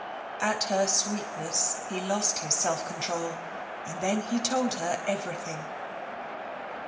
At her sweetness he lost his self control, and then he told her everything.